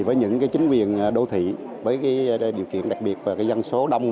với những chính quyền đô thị với điều kiện đặc biệt và dân số đông